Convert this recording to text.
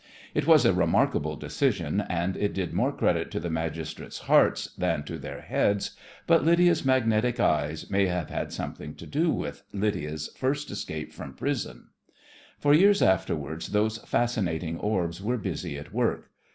It was a remarkable decision, and it did more credit to the magistrates' hearts than to their heads, but Lydia's magnetic eyes may have had something to do with Lydia's first escape from prison. For years afterwards those fascinating orbs were busy at work.